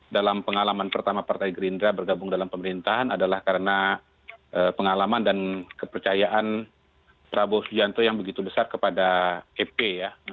dalam pengalaman pertama partai gerindra bergabung dalam pemerintahan adalah karena pengalaman dan kepercayaan prabowo subianto yang begitu besar kepada fp ya